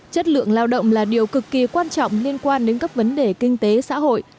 chất lượng lao động là điều cực kỳ quan trọng liên quan đến các vấn đề kinh tế xã hội